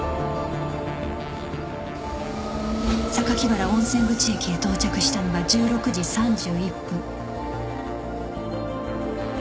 榊原温泉口駅へ到着したのが１６時３１分。